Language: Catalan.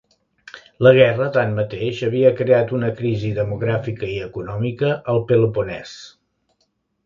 La guerra tanmateix havia creat una crisi demogràfica i econòmica al Peloponès.